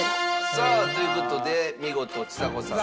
さあという事で見事ちさ子さん